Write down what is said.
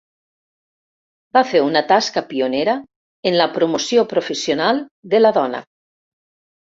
Va fer una tasca pionera en la promoció professional de la dona.